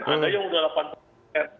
ada yang sudah delapan puluh persen